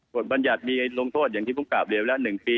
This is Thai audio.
กฎบรรยัตน์มีลงโทษอย่างที่ผมกลับเรียวแล้ว๑ปี๕๒๐๐